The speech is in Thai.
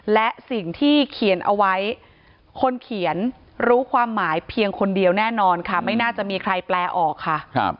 และสิ่งที่เขียนเอาไว้คนเขียนรู้ความหมายเพียงคนเดียวแน่นอนค่ะไม่น่าจะมีใครแปลออกค่ะ